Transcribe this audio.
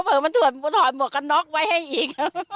เพราะเผลอมันถอนหมวกกระน็อกไว้ให้อีก